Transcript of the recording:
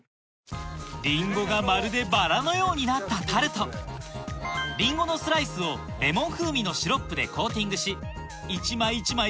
リンゴがまるで薔薇のようになったタルトリンゴのスライスをレモン風味のシロップでコーティングし１枚１枚